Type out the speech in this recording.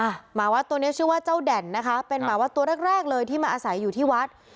หมาวัดตัวเนี้ยชื่อว่าเจ้าแด่นนะคะเป็นหมาวัดตัวแรกแรกเลยที่มาอาศัยอยู่ที่วัด